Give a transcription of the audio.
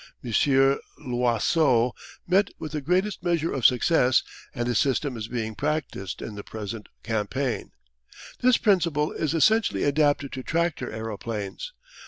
Monsieur Loiseau met with the greatest measure of success, and his system is being practised in the present campaign. This principle is essentially adapted to tractor aeroplanes.